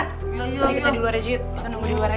kalau kita di luar aja yuk kita nunggu di luar ya